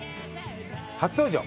初登場。